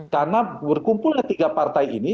karena berkumpulnya tiga partai ini